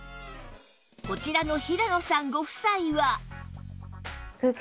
こちらの平野さんご夫妻は